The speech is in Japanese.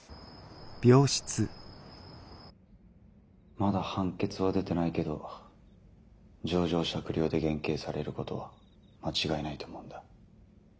まだ判決は出てないけど情状酌量で減刑されることは間違いないと思うんだ。